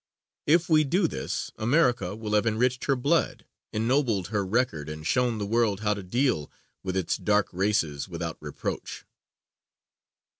If we do this, America will have enriched her blood, ennobled her record and shown the world how to deal with its Dark Races without reproach.